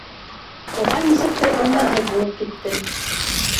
Уға нисектер уңайһыҙ булып китте.